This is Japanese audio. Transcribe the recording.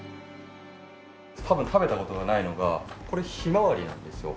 多分食べた事がないのがこれヒマワリなんですよ。